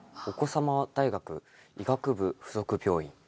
「おこさま大學医學部附属病院」。